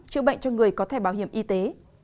hãy cho người có thẻ bảo hiểm y tế